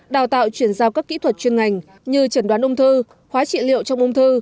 đào tạo chuyển giao các kỹ thuật chuyên ngành như trần đoán ung thư hóa trị liệu trong ung thư